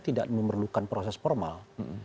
tidak memerlukan proses formal